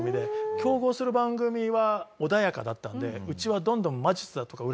競合する番組は穏やかだったんでうちはどんどん。